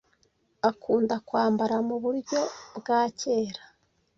Akunda kwambara muburyo bwa kera.